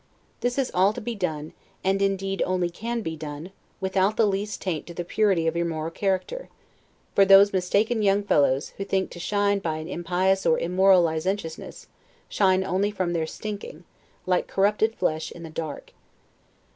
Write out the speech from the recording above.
This is all to be done, and indeed only can be done, without the least taint to the purity of your moral character; for those mistaken young fellows, who think to shine by an impious or immoral licentiousness, shine only from their stinking, like corrupted flesh, in the dark.